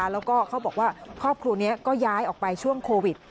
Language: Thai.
แล้วก็เขาบอกว่าครอบครัวนี้ก็ย้ายออกไปช่วงโควิด